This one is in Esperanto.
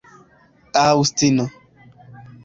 aŭstino